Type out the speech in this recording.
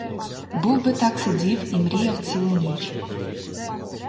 Був би так сидів і мріяв цілу ніч.